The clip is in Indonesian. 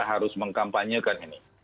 harus mengkampanyekan ini